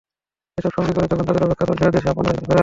এসব সঙ্গী করেই তখন তাঁদের অপেক্ষা চলছিল দেশে আপনজনের কাছে ফেরার।